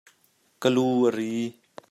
Ka lu a ri.